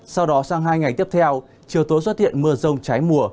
sau đó sang hai ngày tiếp theo chiều tối xuất hiện mưa rông trái mùa